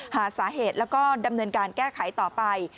หาสาเหตุแล้วก็ดำเนินการแก้ไขต่อไป